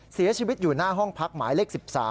เสียชีวิตอยู่หน้าห้องพักหมายเลข๑๓